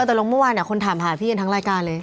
แต่ลงเมื่อวานคนถามหาพี่กันทั้งรายการเลย